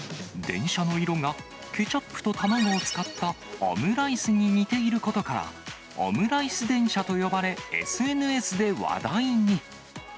電車の色が、ケチャップと卵を使ったオムライスに似ていることから、オムライス電車と呼ばれ、ＳＮＳで話題に。